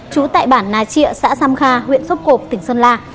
trú tại bản nà trịa xã sam kha huyện sốp cộp tỉnh sơn la